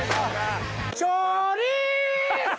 チョリース。